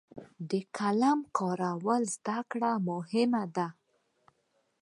د قلم کارولو زده کړه مهمه ده.